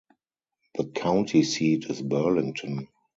The county seat is Burlington.